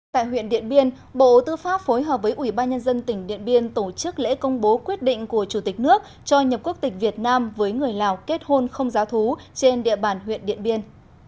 tại huyện điện biên bộ tư pháp phối hợp với ủy ban nhân dân tỉnh điện biên tổ chức lễ công bố quyết định của chủ tịch nước cho nhập quốc tịch việt nam với người lào kết hôn không giáo thú trên địa bàn huyện điện biên